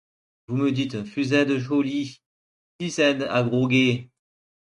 Vous me dites: —« Fus êdes cholie, fis êdes à groguer...